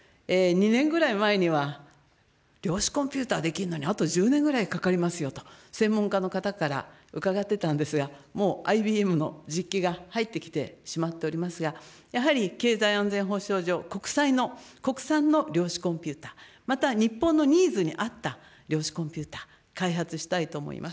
２年ぐらい前には、量子コンピューター出来るのにあと１０年ぐらいかかりますよと、専門家の方から伺ってたんですが、もうＩＢＭの実機が入ってきてしまっておりますが、やはり経済安全保障上、国際の、国産の量子コンピューター、また日本のニーズに合った量子コンピューター、開発したいと思います。